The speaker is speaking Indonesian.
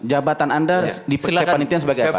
jabatan anda dipakai panitian sebagai apa